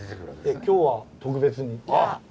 ええ今日は特別に。